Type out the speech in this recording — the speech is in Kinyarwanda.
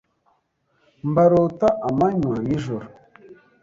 Mbarota amanywa n’ijoro,